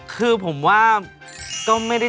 เป็นพ่อพ่อบ้าน